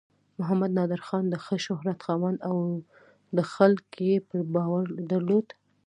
محمد نادر خان د ښه شهرت خاوند و او خلک یې پرې باور درلود.